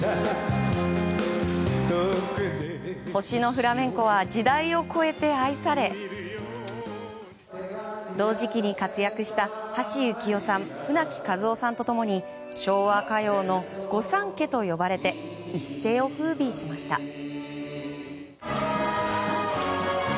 「星のフラメンコ」は時代を超えて愛され同時期に活躍した橋幸夫さん、舟木一夫さんと共に昭和歌謡の御三家と呼ばれて一世を風靡しました。